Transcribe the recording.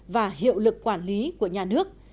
và hiệu lực quản lý của nhà nước